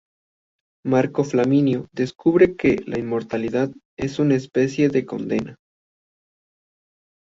Marco Flaminio descubre que la inmortalidad es una especie de condena.